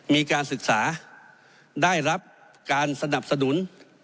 มีการศึกษาได้รับการสนับสนุน